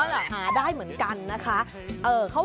หาด้ายเหมือนกันนะค้า